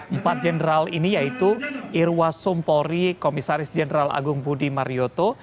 empat jenderal ini yaitu irwa sumpori komisaris jenderal agung budi marioto